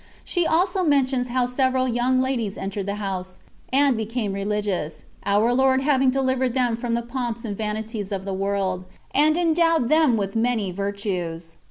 She also mentions how several young ladies entered the house, and became religious, our Lord having deHvered them from the pomps and vanities of the world, and endowed them with many virtues.